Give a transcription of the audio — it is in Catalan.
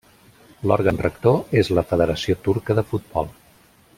L'òrgan rector és la Federació Turca de Futbol.